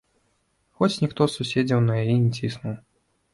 Хоць ніхто з суседзяў на яе не ціснуў.